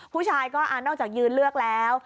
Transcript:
ผู้ชายก็นอกจากยืนเลือกแล้ว